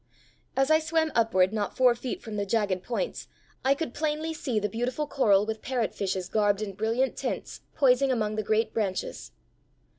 As I swam upward not four feet from the jagged points, I could plainly see the beautiful coral with parrot fishes garbed in brilliant tints, poising among the great branches.